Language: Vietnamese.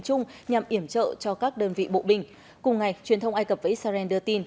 chung nhằm iểm trợ cho các đơn vị bộ binh cùng ngày truyền thông ai cập và israel đưa tin